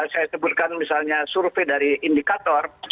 saya sebutkan misalnya survei dari indikator